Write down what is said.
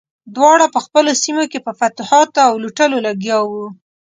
دواړه په خپلو سیمو کې په فتوحاتو او لوټلو لګیا وو.